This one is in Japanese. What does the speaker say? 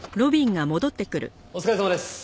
お疲れさまです。